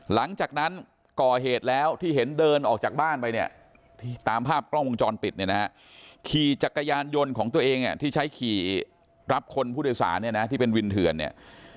หลังจากนั้นก่อเหตุแล้วที่เห็นเดินออกจากบ้านไปเนี่ยตามภาพกล้องวงจรปิดเนี่ยนะฮะขี่จักรยานยนต์ของตัวเองที่ใช้ขี่รับคนผู้โดยสารเนี่ยนะที่เป็นวินเถื่อนเนี่ย